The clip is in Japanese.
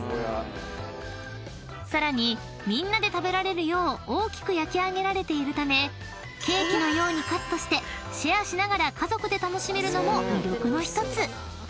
［さらにみんなで食べられるよう大きく焼き上げられているためケーキのようにカットしてシェアしながら家族で楽しめるのも魅力の１つ］